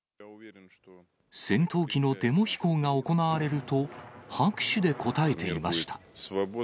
戦闘機のデモ飛行が行われると、拍手で応えていました。